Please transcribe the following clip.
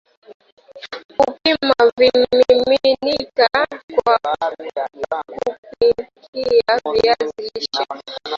kupima vimiminika vya kupikia viazi lishe